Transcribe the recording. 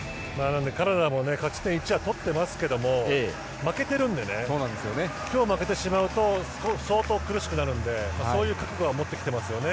カナダも勝ち点１は取っているんですけど負けているので今日負けてしまうと相当、苦しくなるのでそういう覚悟は持ってきてますよね。